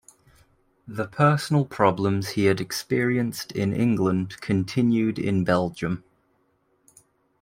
The personal problems he had experienced in England continued in Belgium.